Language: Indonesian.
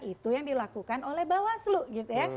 itu yang dilakukan oleh bawaslu gitu ya